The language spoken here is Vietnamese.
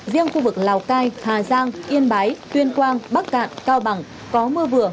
riêng khu vực lào cai hà giang yên bái tuyên quang bắc cạn cao bằng có mưa vừa